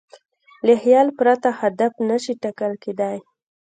له خیال پرته هدف نهشي ټاکل کېدی.